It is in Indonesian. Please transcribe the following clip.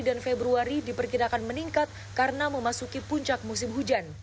dan februari diperkirakan meningkat karena memasuki puncak musim hujan